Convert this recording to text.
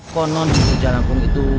konon itu jalangkum itu